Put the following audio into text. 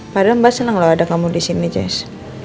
padahal mbak seneng loh ada kamu disini jess